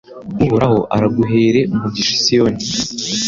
Uhoraho araguhere umugisha i Siyoni